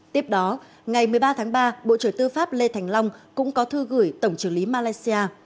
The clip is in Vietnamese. tiếp đó ngày một mươi ba tháng ba bộ trưởng tư pháp lê thành long cũng có thư gửi tổng trưởng lý malaysia